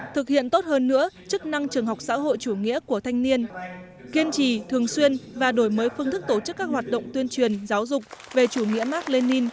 thực hiện tốt hơn nữa chức năng trường học xã hội chủ nghĩa của thanh niên kiên trì thường xuyên và đổi mới phương thức tổ chức các hoạt động tuyên truyền giáo dục về chủ nghĩa mark lenin